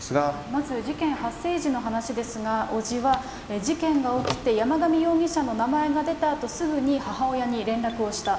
まず事件発生時の話ですが、伯父は、事件が起きて山上容疑者の名前が出たあと、すぐに母親に連絡をした。